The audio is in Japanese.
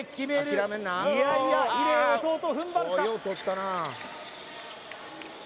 いやいや伊禮弟踏ん張るか？